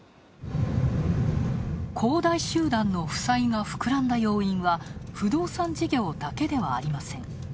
恒大集団の負債が膨らんだ要因は不動産事業だけではありません。